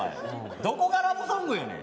どこがラブソングやねん。